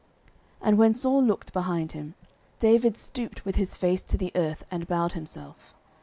And when Saul looked behind him, David stooped with his face to the earth, and bowed himself.